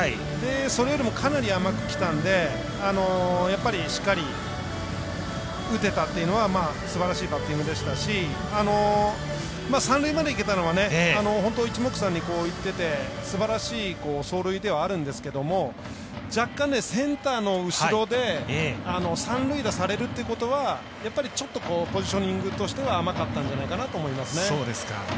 それよりも、かなり甘くきたんでやっぱり、しっかり打てたっていうのはすばらしいバッティングでしたし三塁までいけたのはいちもくさんに行っててすばらしい走塁ではあるんですが若干、センターの後ろで三塁打されるってことはやっぱりちょっとポジショニングとしては甘かったんじゃないかなと思います。